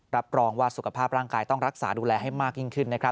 รับรองว่าสุขภาพร่างกายต้องรักษาดูแลให้มากยิ่งขึ้นนะครับ